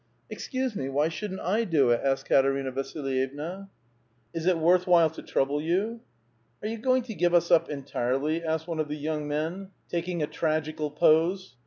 *' Excuse me, wh}^ shouldn't I do it?" asked Katerina Vasilyevna. " Is it worth while to trouble you? "" Are you going to give us op entirely? " asked one of the young men, taking a tragical pose.